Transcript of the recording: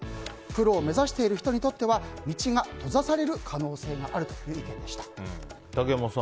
プロを目指している人にとっては道が閉ざされる可能性があるという意見でした。